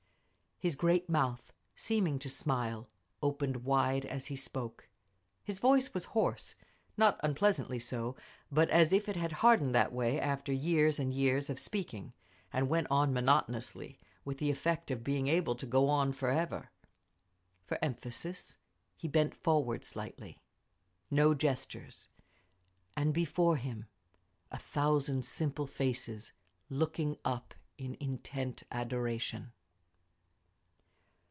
His great mouth, seeming to smile, opened wide as he spoke; his voice was hoarse—not unpleasantly so, but as if it had hardened that way after years and years of speaking—and went on monotonously, with the effect of being able to go on forever…. For emphasis he bent forward slightly. No gestures. And before him, a thousand simple faces looking up in intent adoration.